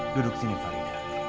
duduk sini faridah